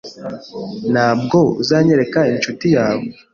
Ntabwo uzanyereka inshuti yawe?